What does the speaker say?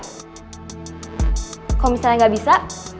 kalau misalnya gak bisa